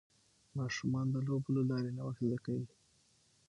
ماشومان د لوبو له لارې نوښت زده کوي.